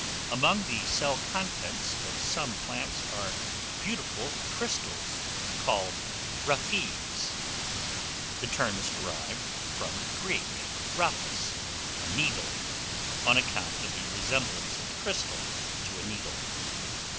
Among the cell contents of some plants are beautiful crystals, called raphides. The term is derived from [Greek: rhaphis] a needle, on account of the resemblance of the crystal to a needle.